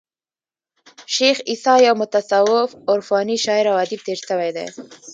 شېخ عیسي یو متصوف عرفاني شاعر او ادیب تیر سوى دئ.